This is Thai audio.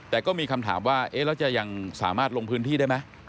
แต่ก็มีคำถามว่าเอ๊ะแล้วจะยังสามารถลงพื้นที่ได้ไหม